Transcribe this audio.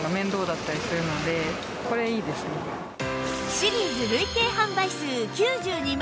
シリーズ累計販売数９２万